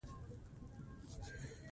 کله هم د هندوکش هاخوا نه وو اوښتي